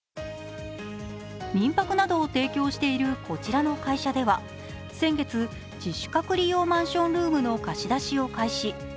民泊などを提供しているこちらの会社では先月、自主隔離用マンションルームの貸し出しを開始。